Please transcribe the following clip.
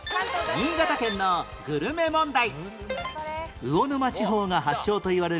新潟県のグルメ問題